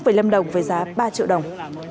với lâm đồng với giá ba triệu đồng